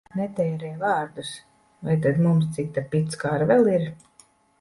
Netērē vārdus! Vai tad mums cita picka ar vēl ir?